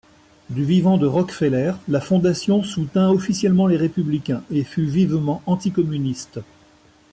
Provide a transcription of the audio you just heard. Du vivant de Rockefeller, la Fondation soutint officiellement les Républicains et fut vivement anticommuniste.